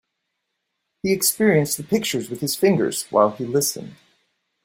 He experienced the pictures with his fingers while he listened.